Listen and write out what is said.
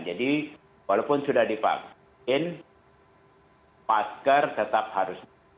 jadi walaupun sudah dipaksain masker tetap harus diikuti